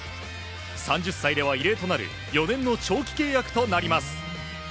３０歳では異例となる４年の長期契約となります。